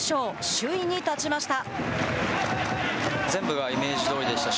首位に立ちました。